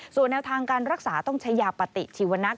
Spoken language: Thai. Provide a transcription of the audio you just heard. ส่วนแนวทางการรักษาต้องใช้ยาปฏิชีวนัก